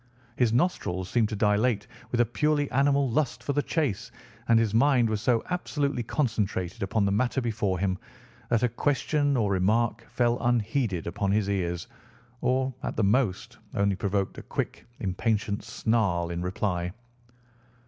His nostrils seemed to dilate with a purely animal lust for the chase, and his mind was so absolutely concentrated upon the matter before him that a question or remark fell unheeded upon his ears, or, at the most, only provoked a quick, impatient snarl in reply.